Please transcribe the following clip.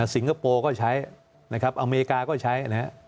สิงคโปร์ก็ใช้นะครับอเมริกาก็ใช้